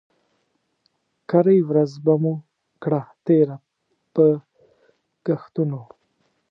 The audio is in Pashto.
کرۍ ورځ به مو کړه تېره په ګښتونو